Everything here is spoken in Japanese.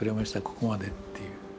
ここまでっていう。